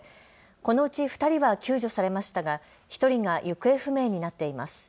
このうち２人は救助されましたが１人が行方不明になっています。